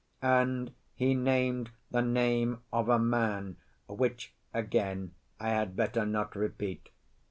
And he named the name of a man, which, again, I had better not repeat.